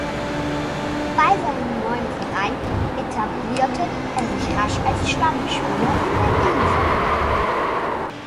Bei seinem neuen Verein etablierte er sich rasch als Stammspieler in der Innenverteidigung.